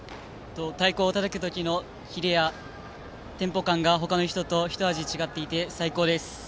太鼓をたたく時のキレやテンポ感が他の人と一味違っていて最高です。